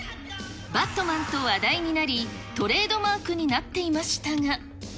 バットマンと話題になり、トレードマークになっていましたが。